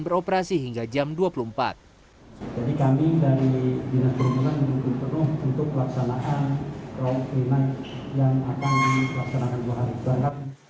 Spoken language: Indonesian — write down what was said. beroperasi hingga jam dua puluh empat jadi kami dari dinas perumahan untuk pelaksanaan yang akan dilaksanakan